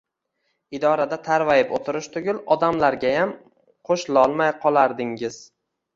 Idorada tarvayib o‘tirish tugul, odamlargayam qo‘shilolmay qolardingiz